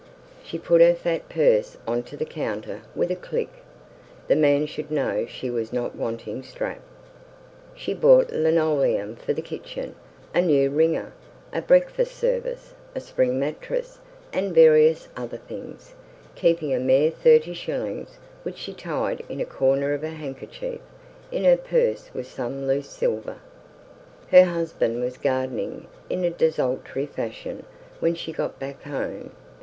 She put her fat purse on to the counter with a click. The man should know she was not wanting "strap". She bought linoleum for the kitchen, a new wringer, a breakfast service, a spring mattress, and various other things, keeping a mere thirty shillings, which she tied in a corner of her handkerchief. In her purse was some loose silver. Her husband was gardening in a desultory fashion when she got back home.